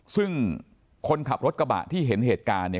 ซึ่งคนขับรถกระบะที่เห็นเหตุการณ์